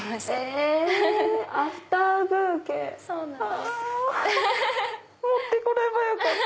あ持って来ればよかった。